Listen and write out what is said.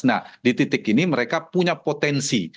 nah di titik ini mereka punya potensi